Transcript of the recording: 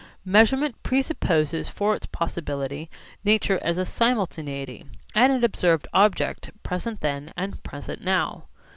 Measurement presupposes for its possibility nature as a simultaneity, and an observed object present then and present now.